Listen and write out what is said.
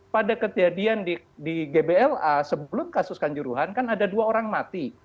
pada kejadian di gbla sebelum kasus kanjuruhan kan ada dua orang mati